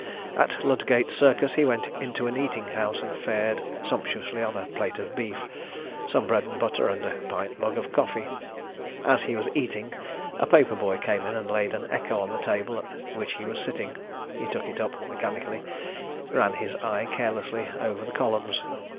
At Ludgate Circus he went into an eating house and fared sumptuously on a plate of beef, some bread and butter, and a pint mug of coffee. As he was eating a paper boy came in and laid an Echo on the table at which he was sitting. He took it up mechanically, and ran his eye carelessly over the columns.